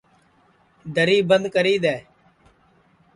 دری بند کری دؔے